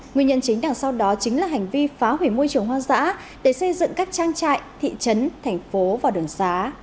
nguyên nhân chính đằng sau đó chính là hành vi phá hủy môi trường hoang dã để xây dựng các trang trại thị trấn thành phố và đường xá